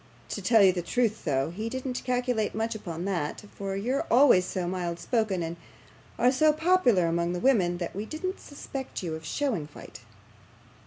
To tell you the truth though, he didn't calculate much upon that, for you're always so mild spoken, and are so popular among the women, that we didn't suspect you of showing fight.